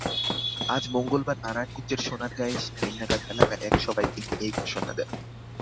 আজ মঙ্গলবার নারায়ণগঞ্জের সোনারগাঁয়ের মেঘনাঘাট এলাকায় এক সভায় তিনি এ ঘোষণা দেন।